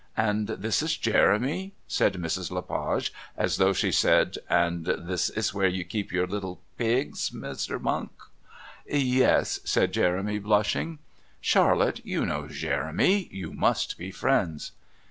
"And this is Jeremy?" said Mrs. Le Page as though she said: "And this is where you keep your little pigs, Mr. Monk?" "Yes," said Jeremy, blushing. "Charlotte, you know Jeremy. You must be friends."